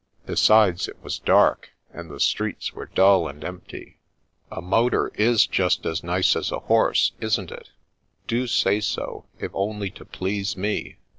Besides, it was dark, and the streets were dull and empty. A motor is just as nice as a horse, isn't it ? Do say so, if only to please me."